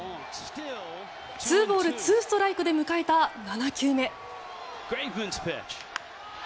ツーボール、ツーストライクで迎えた７球目。